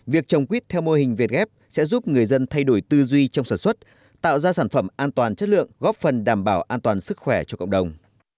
việc trồng quýt theo mô hình việt ghép sẽ giúp người dân thay đổi tư duy trong sản xuất tạo ra sản phẩm an toàn chất lượng góp phần đảm bảo an toàn sức khỏe cho cộng đồng